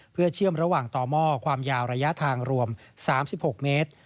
เพื่อเชื่อมระหว่างต่อหม้อความยาวระยะทางรวม๓๖เมตร